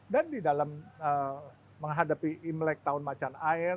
dan di dalam menghadapi imlek tahun macan air